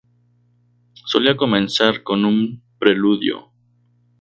Solía comenzar con un preludio.